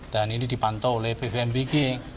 dan ini dipantau oleh bpmbg